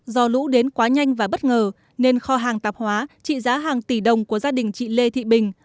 do lũ đến quá nhanh và bất ngờ nên kho hàng tạp hóa trị giá hàng tỷ đồng của gia đình chị lê thị bình